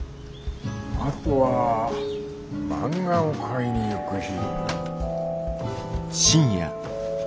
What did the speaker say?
あとは漫画を買いに行く日。